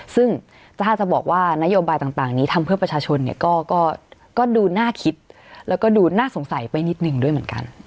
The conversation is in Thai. ซึ่งถ้าจะบอกว่านโยบายต่างนี้ทำเพื่อประชาชนเนี่ยก็ดูน่าคิดแล้วก็ดูน่าสงสัยไปนิดหนึ่งด้วยเหมือนกัน